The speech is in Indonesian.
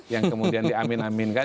yang kemudian di amin amin kan